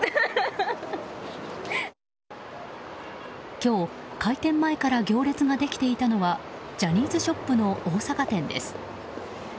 今日、開店前から行列ができていたのはジャニーズショップの大阪店です。